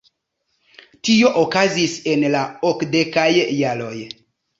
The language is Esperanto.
Tio okazis en la okdekaj jaroj.